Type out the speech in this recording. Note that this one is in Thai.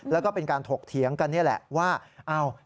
แล้วก็เป็นการถกเถียงกันนี่แหละว่า